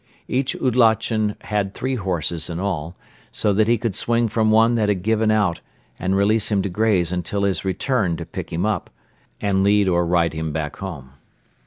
Each oulatchen had three horses in all, so that he could swing from one that had given out and release him to graze until his return to pick him up and lead or ride him back home.